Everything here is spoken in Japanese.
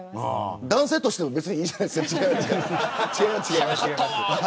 男性としてでもいいじゃないですか。